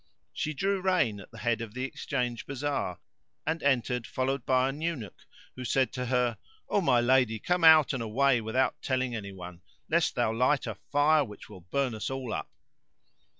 She drew rein at the head of the exchange bazar and entered followed by an eunuch who said to her, "O my lady come out and away without telling anyone, lest thou light a fire which will burn us all up."